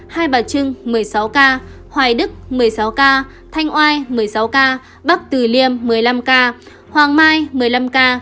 hai bà trưng một mươi sáu ca hoài đức một mươi sáu ca thanh oai một mươi sáu ca bắc từ liêm một mươi năm ca hoàng mai một mươi năm ca